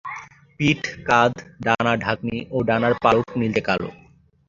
পিঠ, কাঁধ, ডানা-ঢাকনি ও ডানার পালক নীলচে কালো।